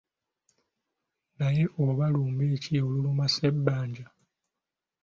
Naye oba lumbe ki oluluma Ssebbanja?